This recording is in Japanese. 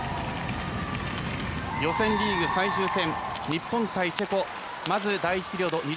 予選リーグ最終戦日本対チェコ、まず第１ピリオド